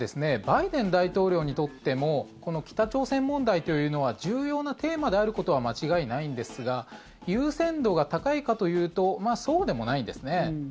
バイデン大統領にとってもこの北朝鮮問題というのは重要なテーマであることは間違いないんですが優先度が高いかというとそうでもないんですね。